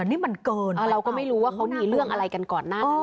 นี่มันเกินเราก็ไม่รู้ว่าเขามีเรื่องอะไรกันก่อนหน้านั้น